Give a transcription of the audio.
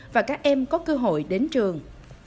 và các em có cơ hội đến trường